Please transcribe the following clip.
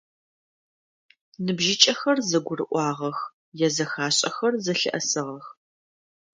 Ныбжьыкӏэхэр зэгурыӏуагъэх, язэхашӏэхэр зэлъыӏэсыгъэх.